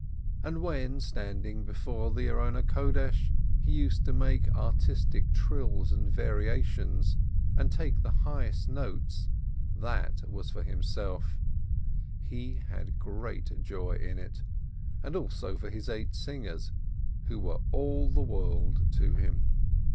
And when, standing before the altar, he used to make artistic trills and variations, and take the highest notes, that was for himself — he had great joy in it — and also for his eight singers, who were all the world to him.